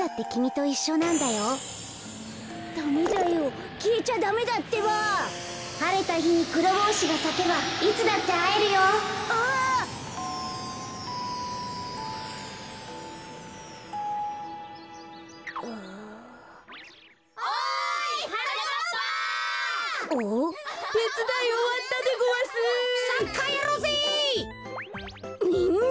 みんな！